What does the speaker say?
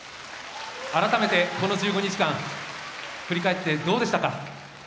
改めて、この１５日間振り返ってどうでしたか。